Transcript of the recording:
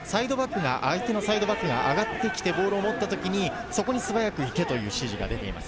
相手のサイドバックが上がってきて、ボールを持った時に、すばやくいけという指示が出ています。